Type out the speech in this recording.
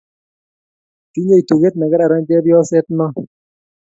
Tinye tuget ne kararan chepyoset no